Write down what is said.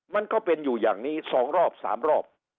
มันก็เป็นอยู่อย่างนี้๒รอบ๓รอบ